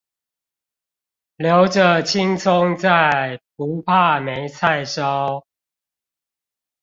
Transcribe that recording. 留著青蔥在，不怕沒菜燒